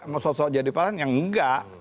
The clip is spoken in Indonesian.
mau sosok jadi palang yang enggak